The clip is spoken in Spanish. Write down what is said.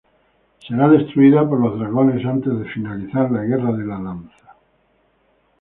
Será destruida por los dragones antes de finalizar la Guerra de la Lanza.